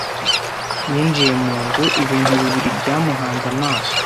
Yinjiye mu nzu, ibintu bibiri byamuhanze amaso.